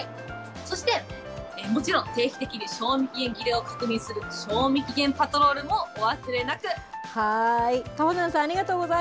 そしてもちろん、定期的に賞味期限切れを確認する賞味期限パトロはい。